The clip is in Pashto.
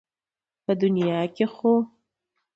په دنيا کې خو